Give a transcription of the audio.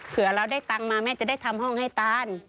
เผื่อเราได้ตังค์มาแม่จะได้ทำห้องให้ตาน